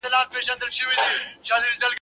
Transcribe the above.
منصور میدان ته بیایي غرغړې دي چي راځي.